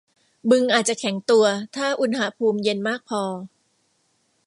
บึงอาจจะแข็งตัวถ้าอุณหภูมิเย็นมากพอ